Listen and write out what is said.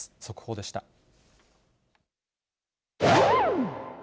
速報でした。